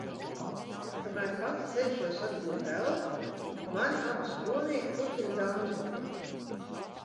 Kamēr pati cenšos atgūt elpu, mani abi skolnieki turpina dancot.